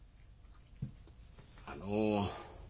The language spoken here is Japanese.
あの。